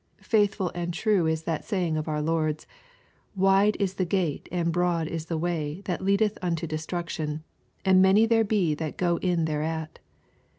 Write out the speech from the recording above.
Faithful and true is that saying of our Lord's, " Wide is the gate and broad is the way that leadeth unto destruction, and many there be that go in thereat."